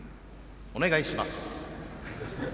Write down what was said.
お願いします。